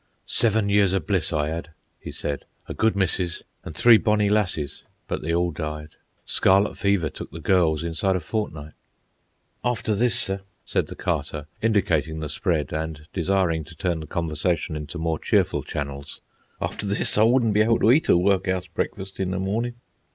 "Seven years o' bliss I 'ad," he said. "A good missus and three bonnie lassies. But they all died. Scarlet fever took the girls inside a fortnight." "After this, sir," said the Carter, indicating the spread, and desiring to turn the conversation into more cheerful channels; "after this, I wouldn't be able to eat a workhouse breakfast in the morning."